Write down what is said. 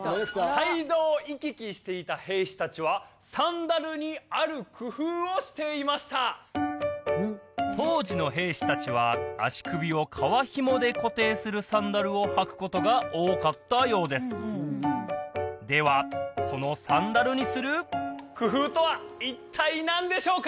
街道を行き来していた兵士達はサンダルにある工夫をしていました当時の兵士達は足首を革ひもで固定するサンダルを履くことが多かったようですではそのサンダルにする工夫とは一体何でしょうか？